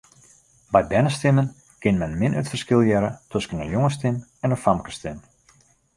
By bernestimmen kin men min it ferskil hearre tusken in jongesstim en in famkesstim.